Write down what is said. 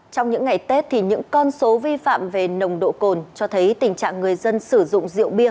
trong những ngày tết thì những con số vi phạm về nồng độ cồn cho thấy tình trạng người dân sử dụng rượu bia